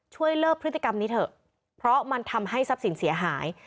ช่วยเลิกพฤติกรรมนี้เถอะเพราะมันทำให้ทรัพย์สินเสียหาย